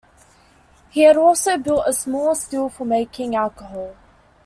He had also built a small still for making alcohol.